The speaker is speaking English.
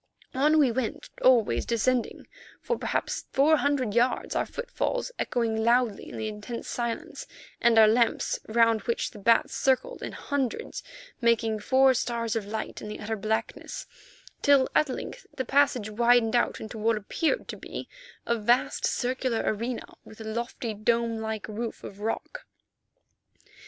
On we went, always descending, for perhaps four hundred yards, our footfalls echoing loudly in the intense silence, and our lamps, round which the bats circled in hundreds, making four stars of light in the utter blackness, till at length the passage widened out into what appeared to be a vast circular arena, with a lofty dome like roof of rock.